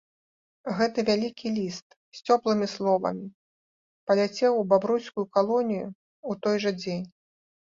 Гэты вялікі ліст з цёплымі словамі паляцеў у бабруйскую калонію ў той жа дзень.